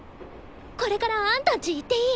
これからあんたんち行っていい？